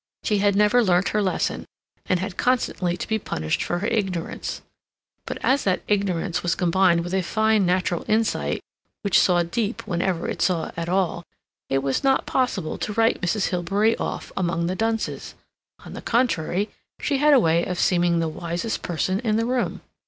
She had never learnt her lesson, and had constantly to be punished for her ignorance. But as that ignorance was combined with a fine natural insight which saw deep whenever it saw at all, it was not possible to write Mrs. Hilbery off among the dunces; on the contrary, she had a way of seeming the wisest person in the room.